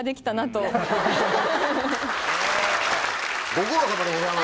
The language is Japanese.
ご苦労さまでございました。